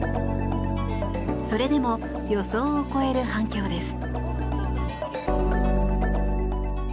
それでも予想を超える反響です。